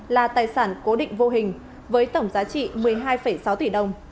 là tài sản cố định vô hình với tổng giá trị một mươi hai sáu tỷ đồng